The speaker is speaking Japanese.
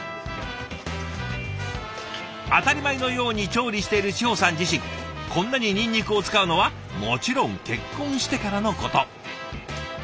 当たり前のように調理している志穂さん自身こんなにニンニクを使うのはもちろん結婚してからのこと。